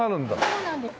そうなんですよ。